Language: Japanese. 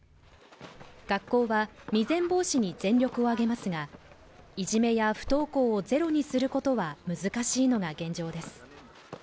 学校は未然防止に全力を挙げますが、いじめや不登校をゼロにすることは難しいのが現状です。